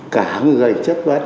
cả người chất vấn